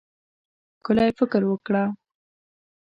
ښکلی فکر وکړه.